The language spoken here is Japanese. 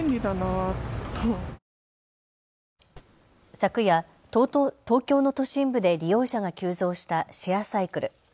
昨夜、東京の都心部で利用者が急増したシェアサイクル。